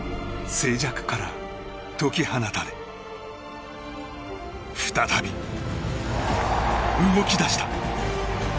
静寂から解き放たれ再び動き出した。